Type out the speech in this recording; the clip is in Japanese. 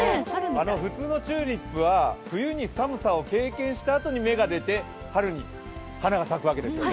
普通のチューリップは冬に寒さを経験したあとに芽が出て春に花が咲くわけですよね。